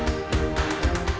jualan lagi sepi